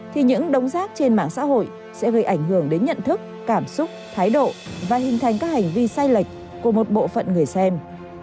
thì những đống rác trên mạng xã hội sẽ gây ảnh hưởng đến nhận thức cảm xúc thái độ và hình thành các hành vi sai lệch của một bộ phận người xem